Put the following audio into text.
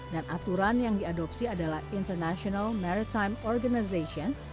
dan aturan yang diadopsi adalah international maritime organization